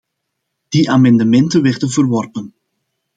Die amendementen werden verworpen.